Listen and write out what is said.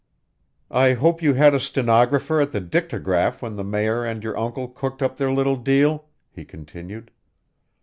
"I hope you had a stenographer at the dictograph when the Mayor and your uncle cooked up their little deal," he continued.